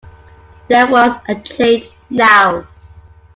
There was a change now.